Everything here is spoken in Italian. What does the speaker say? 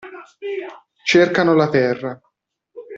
Cercano la terra.